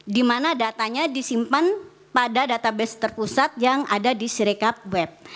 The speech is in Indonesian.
dimana datanya disimpan pada database terpusat yang ada di sirecap web